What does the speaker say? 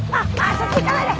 そっち行かないで！